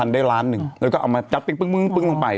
๒๐๐๐ได้ล้านนึง